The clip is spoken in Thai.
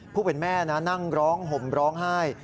ผู้เป็นแม่นะนั่งร้องห่มร้องไห้